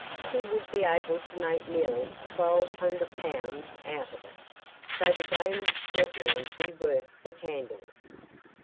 He would be able to make nearly twelve hundred pounds out of it, so the game would certainly be worth the candle.